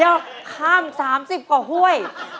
เดี๋ยวข้าม๓๐๐ดอมกว่าห้วย